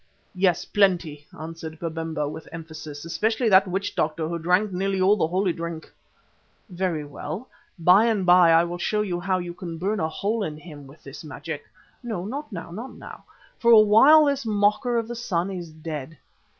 "Yes, plenty," answered Babemba with emphasis, "especially that witch doctor who drank nearly all the holy drink." "Very well; by and by I will show you how you can burn a hole in him with this magic. No, not now, not now. For a while this mocker of the sun is dead.